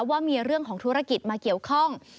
ว่ามีเรื่องของธุรกิจมาเกี่ยวข้อง